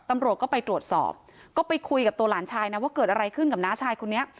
ตำรวจก็ไปตรวจสอบก็ไปคุยกับตัวหลานชายนะว่าเกิดอะไรขึ้นกับน้าชายคนนี้